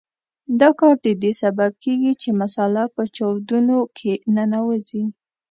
دا کار د دې سبب کیږي چې مساله په چاودونو کې ننوځي.